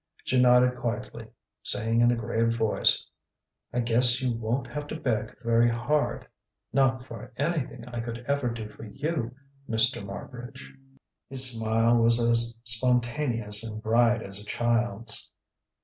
She nodded quietly, saying in a grave voice: "I guess you won't have to beg very hard not for anything I could ever do for you, Mr. Marbridge." His smile was as spontaneous and bright as a child's.